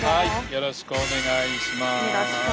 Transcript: よろしくお願いします。